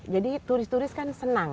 jadi turis turis kan senang